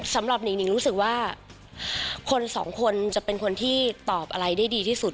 หนิ่งรู้สึกว่าคนสองคนจะเป็นคนที่ตอบอะไรได้ดีที่สุด